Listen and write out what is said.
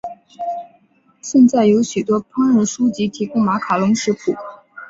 现在有许多烹饪书籍提供马卡龙的食谱。